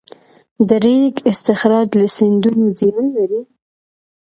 د ریګ استخراج له سیندونو زیان لري؟